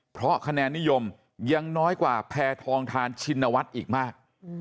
เพราะคะแนนนิยมยังน้อยกว่าแพทองทานชินวัฒน์อีกมาก